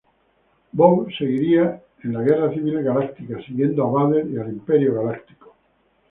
Bow seguiría en la Guerra Civil Galáctica, siguiendo a Vader y al Imperio Galáctico.